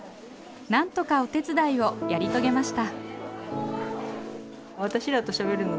なんとかお手伝いをやり遂げました。